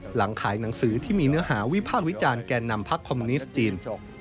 หลังขายหนังสือที่มีเนื้อหาวิพากษ์วิจารณ์แก่นำพักคอมมิวนิสต์จีน